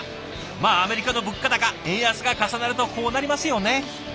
まあアメリカの物価高円安が重なるとこうなりますよね。